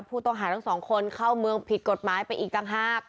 ผู้ต้องหาทั้งสองคนเข้าเมืองผิดกฎหมายไปอีกต่างหาก